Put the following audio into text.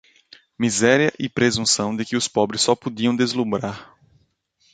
Miséria e presunção de que os pobres só podiam deslumbrar!